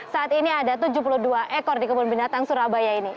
saat ini ada tujuh puluh dua ekor di kebun binatang surabaya ini